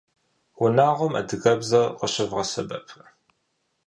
Унагъуэм адыгэбзэр къыщывгъэсэбэпрэ?